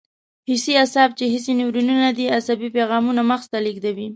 حسي اعصاب چې حسي نیورونونه دي عصبي پیغامونه مغز ته لېږدوي.